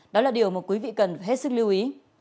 đó là điều mà quý vị cần phải hết sức lưu ý